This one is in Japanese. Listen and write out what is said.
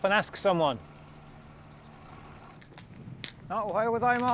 おはようございます。